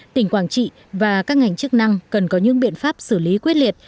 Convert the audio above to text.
tỉnh quảng trị và các ngành chức năng cần có những biện pháp xử lý quyết liệt